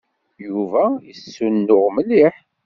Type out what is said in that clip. Yuba yessunuɣ mliḥ.